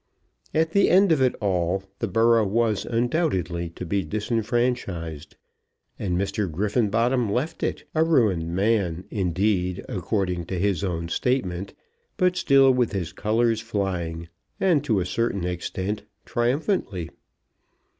As the end of it all, the borough was undoubtedly to be disfranchised, and Mr. Griffenbottom left it, a ruined man, indeed, according to his own statement, but still with his colours flying, and, to a certain extent, triumphantly.